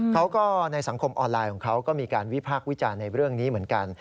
เขาก็ในสังคมออนไลน์ของเขาก็มีการวิพากษ์วิจารณ์ในเรื่องนี้เหมือนกัน